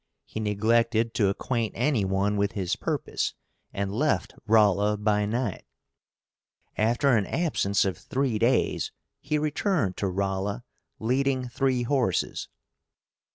He neglected to acquaint any one with his purpose, and left Rolla by night. After an absence of three days he returned to Rolla, leading three horses.